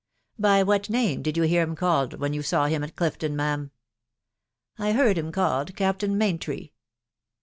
... By what name did yon hear him called when you saw him at Clifton, ma'am ?€€ I heard him called Captain Maintry."